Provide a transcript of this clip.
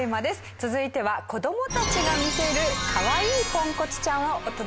続いては子どもたちが見せるかわいいポンコツちゃんをお届けします。